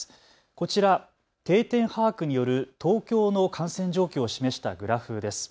こちら、定点把握による東京の感染状況を示したグラフです。